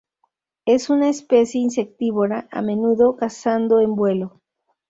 Es una especie insectívora, a menudo cazando en vuelo.